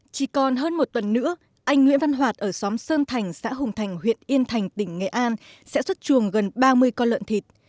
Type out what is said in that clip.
chỉ còn hơn một tuần nữa anh nguyễn văn hoạt ở xóm sơn thành xã hùng thành huyện yên thành tỉnh nghệ an sẽ xuất chuồng gần ba mươi con lợn thịt